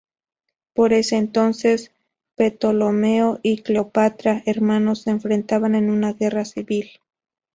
Por ese entonces Ptolomeo y Cleopatra, hermanos, se enfrentaban en una guerra civil.